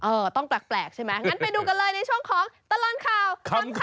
เออต้องแปลกใช่ไหม